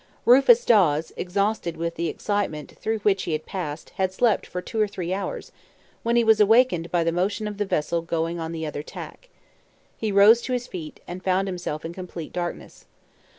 Rufus Dawes, exhausted with the excitement through which he had passed, had slept for two or three hours, when he was awakened by the motion of the vessel going on the other tack. He rose to his feet, and found himself in complete darkness.